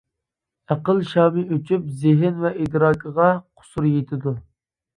ئەقىل شامى ئۆچۈپ، زېھىن ۋە ئىدراكىغا قۇسۇر يېتىدۇ.